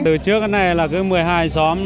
từ trước đến nay là một mươi hai xóm